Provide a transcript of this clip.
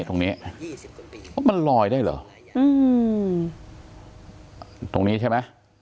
ตรงนี้ใช่ไหม